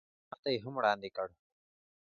ماته یې هم وړاندې کړ.